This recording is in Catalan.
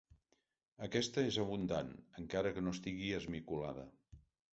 Aquesta és abundant, encara que no estigui esmicolada.